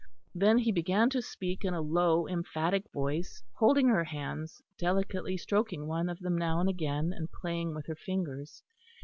Then he began to speak in a low emphatic voice, holding her hands, delicately stroking one of them now and again, and playing with her fingers.